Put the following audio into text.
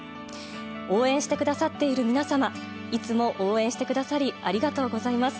応援してくださっている皆様いつも応援してくださりありがとうございます。